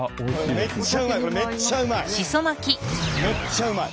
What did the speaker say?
めっちゃうまい！